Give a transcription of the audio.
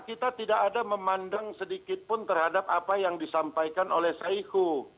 kita tidak ada memandang sedikit pun terhadap apa yang disampaikan oleh saihu